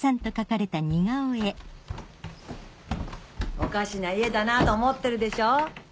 おかしな家だなぁと思ってるでしょう？